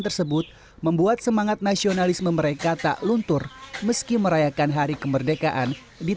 tersebut membuat semangat nasionalisme mereka tak luntur meski merayakan hari kemerdekaan di